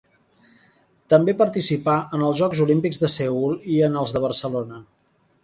També participà en els Jocs Olímpics de Seül i en els de Barcelona.